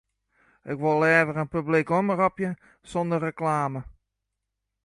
Ik wol leaver in publike omrop sonder reklame.